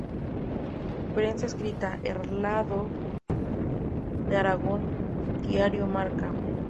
Prensa escrita: Heraldo de Aragón; Diario Marca.